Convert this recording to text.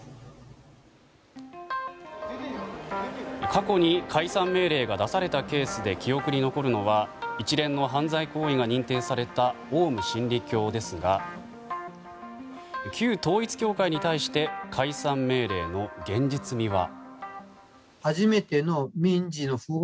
過去に解散命令が出されたケースで記憶に残るのは一連の犯罪行為が認定されたオウム真理教ですが旧統一教会に対して解散命令の現実味は。